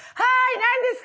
何ですか？」